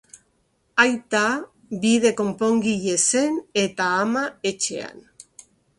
Aita bide konpongile zen eta ama etxean.